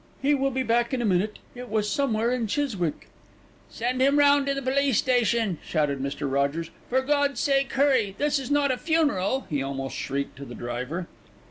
He will be back in a minute. It was somewhere in Chiswick." "Send him round to the police station," shouted Mr. Rogers. "For God's sake hurry, this is not a funeral," he almost shrieked to the driver.